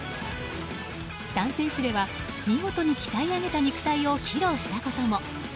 男性誌では見事に鍛え上げた肉体を披露したことも。